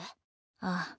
ああ。